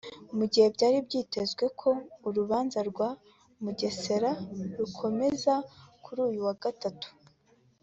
Mu gihe byari byitezwe ko urubanza rwa mugesera rukomeza kuri uyu wa gatatu